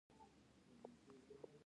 کوسه کب د سمندر خطرناک ښکاری دی